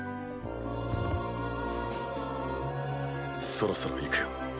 そろそろ行くよ。